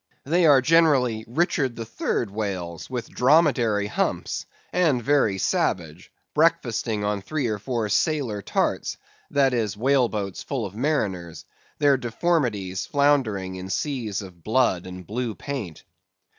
They are generally Richard III. whales, with dromedary humps, and very savage; breakfasting on three or four sailor tarts, that is whaleboats full of mariners: their deformities floundering in seas of blood and blue paint.